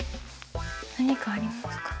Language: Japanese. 何かありますか？